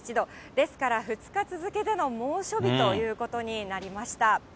ですから２日続けての猛暑日ということになりました。